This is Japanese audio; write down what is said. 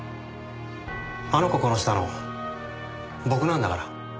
あの子殺したの僕なんだから。